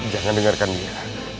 jangan dengarkan dia